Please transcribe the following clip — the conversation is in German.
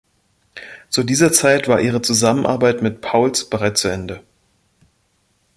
Zu dieser Zeit war ihre Zusammenarbeit mit Pauls bereits zu Ende.